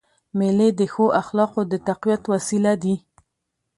مېلې د ښو اخلاقو د تقویت وسیله دي.